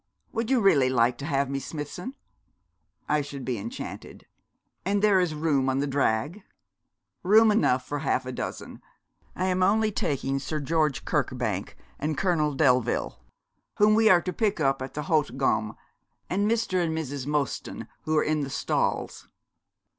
Would you really like to have me, Smithson?' 'I should be enchanted.' 'And there is room on the drag?' 'Room enough for half a dozen. I am only taking Sir George Kirkbank and Colonel Delville whom we are to pick up at the Haute Gomme and Mr. and Mrs. Mostyn, who are in the stalls.'